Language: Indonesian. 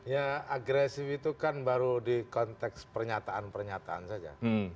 ya agresif itu kan baru di konteks pernyataan pernyataan saja